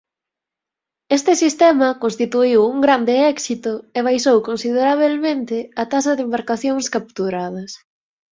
Este sistema constituíu un grande éxito e baixou considerabelmente a taxa de embarcacións capturadas.